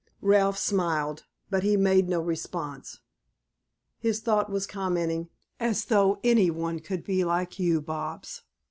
Ralph smiled, but he made no response. His thought was commenting: "As though anyone could be like you, Bobs."